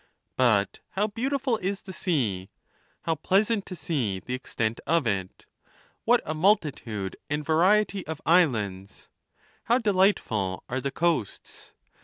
But how beautiful is the sea ! How pleasant to see the extent of it ! What a multitude and variety of islands ! How delightful are the coasts